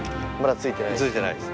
着いてないです。